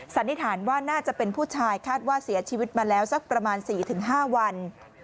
สันนิษฐานว่าน่าจะเป็นผู้ชายคาดว่าเสียชีวิตมาแล้วสักประมาณ๔๕วัน